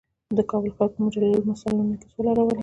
د کابل ښار په مجللو سالونونو کې سوله راولي.